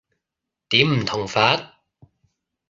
點唔同法？